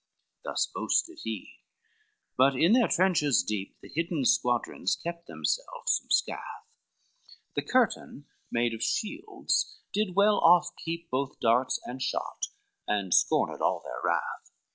XXXVII Thus boasted he; but in their trenches deep, The hidden squadrons kept themselves from scath, The curtain made of shields did well off keep Both darts and shot, and scorned all their wrath.